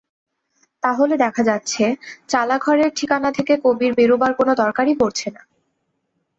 তাহলে দেখা যাচ্ছে, চালাঘরের ঠিকানা থেকে কবির বেরোবার কোনো দরকারই পড়ছে না।